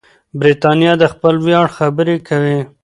برتانیه د خپل ویاړ خبرې کوي.